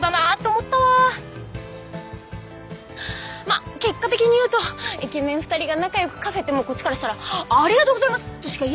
まっ結果的に言うとイケメン２人が仲良くカフェってもうこっちからしたらありがとうございますとしか言えないよね。